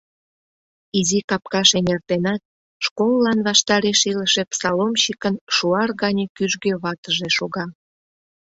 Изи капкаш эҥертенат, школлан ваштареш илыше псаломщикын шуар гане кӱжгӧ ватыже шога.